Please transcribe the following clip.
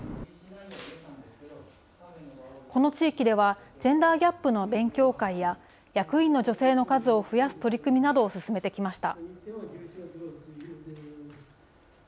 この地域では、ジェンダーギャップの勉強会や、役員の女性の数を増やす取り組みなどを進めてきました。